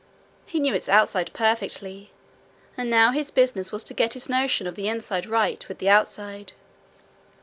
He knew its outside perfectly, and now his business was to get his notion of the inside right with the outside.